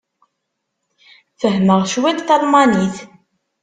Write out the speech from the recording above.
Fehhmeɣ cwiṭ talmanit.